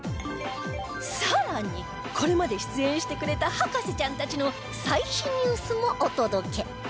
更にこれまで出演してくれた博士ちゃんたちの最新ニュースもお届け